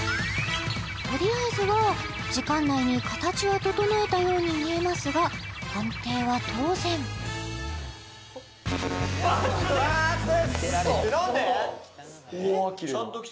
とりあえずは時間内に形は整えたように見えますが判定は当然ウソ？